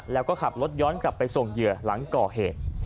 แล้วก็ขับรถย้อนกลับไปส่งเหยื่อหลังก่อเหตุ